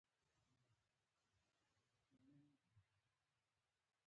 نور نه غواړم چې ته په دې وطن کې پاتې شې.